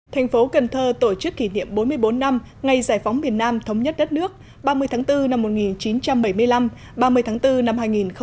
thành phố cần thơ tổ chức kỷ niệm bốn mươi bốn năm ngày giải phóng miền nam thống nhất đất nước ba mươi tháng bốn năm một nghìn chín trăm bảy mươi năm ba mươi tháng bốn năm hai nghìn hai mươi